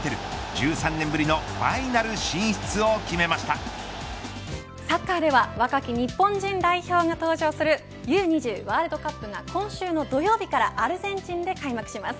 １３年ぶりのファイナル進出をサッカーでは若き日本人代表が登場するＵ−２０ワールドカップが今週の土曜日からアルゼンチンで開幕します。